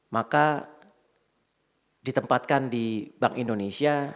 maka ditempatkan di bank indonesia